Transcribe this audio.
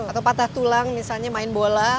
atau patah tulang misalnya main bola